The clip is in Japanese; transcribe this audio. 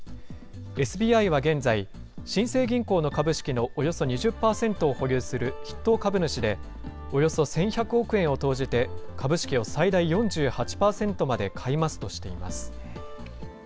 ＳＢＩは現在、新生銀行の株式のおよそ２０％を保有する筆頭株主で、およそ１１００億円を投じて、株式を最大４８％まで買い増すとしています。